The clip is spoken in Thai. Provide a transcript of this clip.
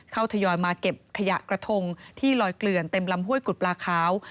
ทยอยมาเก็บขยะกระทงที่ลอยเกลื่อนเต็มลำห้วยกุดปลาขาว